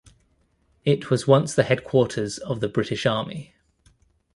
It was once the Headquarters of the British Army.